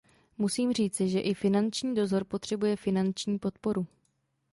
Musím říci, že i finanční dozor potřebuje finanční podporu.